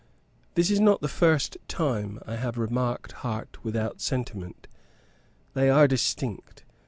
This is not the first time I have remarked heart without sentiment; they are distinct.